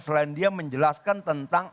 selain dia menjelaskan tentang